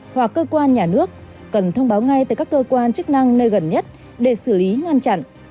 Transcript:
hoặc cơ quan nhà nước cần thông báo ngay tới các cơ quan chức năng nơi gần nhất để xử lý ngăn chặn